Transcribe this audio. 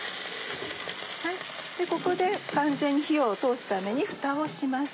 ここで完全に火を通すためにふたをします。